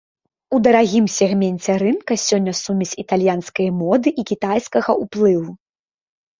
У дарагім сегменце рынка сёння сумесь італьянскай моды і кітайскага ўплыву.